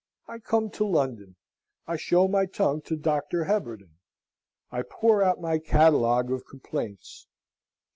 I come to London. I show my tongue to Dr. Heberden. I pour out my catalogue of complaints.